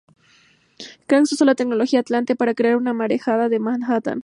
Krang usó la tecnología atlante para crear una marejada en Manhattan.